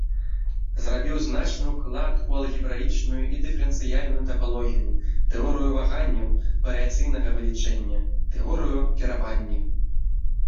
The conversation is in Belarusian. Зрабіў значны ўклад у алгебраічную і дыферэнцыяльную тапалогію, тэорыю ваганняў, варыяцыйнага вылічэння, тэорыю кіравання.